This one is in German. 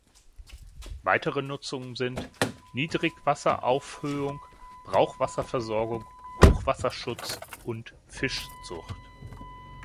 Weitere Nutzungen sind: Niedrigwasseraufhöhung, Brauchwasserversorgung, Hochwasserschutz und Fischzucht.